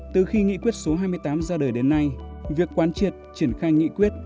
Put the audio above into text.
từ khi nghị quyết số hai mươi tám ra đời đến nay việc quán triệt triển khai nghị quyết